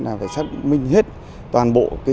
phải xác minh hết toàn bộ